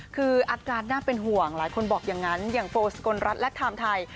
คืออาการน่าเป็นห่วงหลายคนบอกอย่างนั้นอย่างโฟสกลรัฐและไทม์ไทย